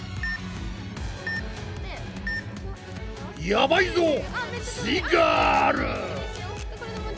やばいぞすイガール！